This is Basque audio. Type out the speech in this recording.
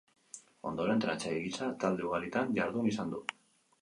Ondoren entrenatzaile gisa talde ugaritan jardun izan du.